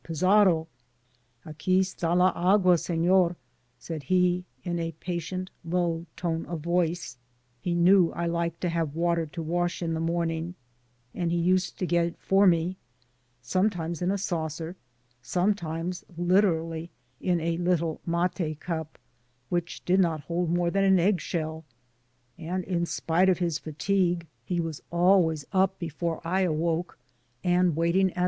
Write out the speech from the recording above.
87 " Pizarro !^'^* Aqui %i& la agua, Scfior,''* iaid he, in a patient low tone of voice 4ie knew I liked to hare water to wash in the morning, and he used to get it for me, sometimes in a saucer, sometimes literally ' in a little mat^ cup, which did not hold more than an egg'C^ell, and in spite of his fatigue he was always up before I awoke, and waiting at.